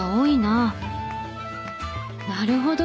なるほど！